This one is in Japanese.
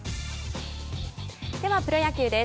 では、プロ野球です。